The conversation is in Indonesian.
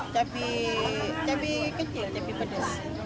cabai kecil cabai pedas